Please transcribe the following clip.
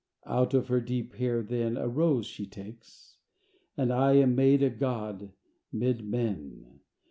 Out of her deep hair then A rose she takes and I Am made a god 'mid men!